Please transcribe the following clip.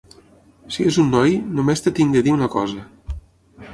Si és un noi, no més et tinc de dir una cosa.